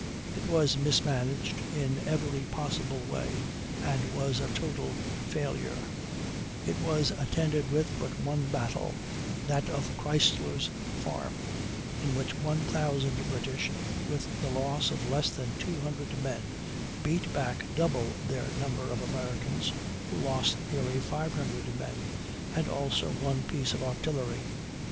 It was mismanaged in every possible way, and was a total failure; it was attended with but one battle, that of Chrystler's Farm, in which 1,000 British, with the loss of less than 200 men, beat back double their number of Americans, who lost nearly 500 men and also one piece of artillery.